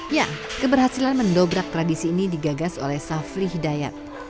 ya keberhasilan mendobrak tradisi ini digagas oleh safri hidayat